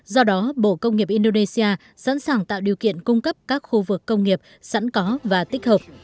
do đó bộ công nghiệp indonesia sẵn sàng tạo điều kiện cung cấp các khu vực công nghiệp sẵn có và tích hợp